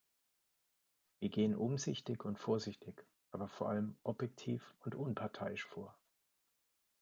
Wir gehen umsichtig und vorsichtig, aber vor allem objektiv und unparteiisch vor.